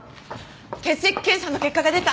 血液検査の結果が出た。